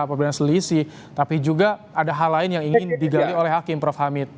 apabila selisih tapi juga ada hal lain yang ingin digali oleh hakim prof hamid